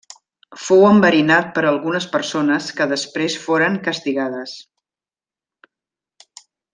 Fou enverinat per algunes persones que després foren castigades.